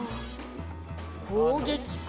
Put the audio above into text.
「攻撃か？